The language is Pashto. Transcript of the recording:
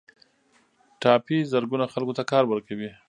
ټاپي زرګونه خلکو ته کار ورکوي